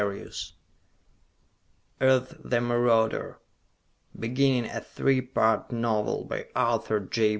_] Earth, the Marauder BEGINNING A THREE PART NOVEL _By Arthur J.